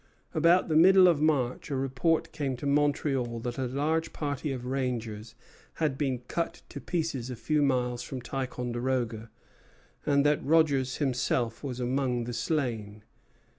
About the middle of March a report came to Montreal that a large party of rangers had been cut to pieces a few miles from Ticonderoga, and that Rogers himself was among the slain.